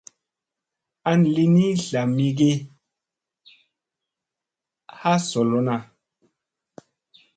Aŋ li ni zla mi ge ha solonaŋ.